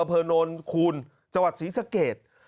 อเภินนท์คูณจศรีสะเกต